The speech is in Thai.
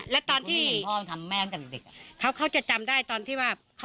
และตอนที่เขาเขาจะจำได้ตอนที่ว่า